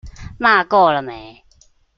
罵夠了沒？